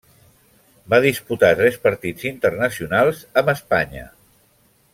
Va disputar tres partits internacionals amb Espanya.